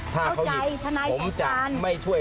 ถ้าเขายิงผมจะไม่ช่วย